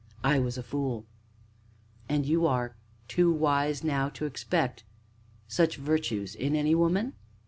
I was a fool!" "And you are too wise now, to expect such virtues in any woman?"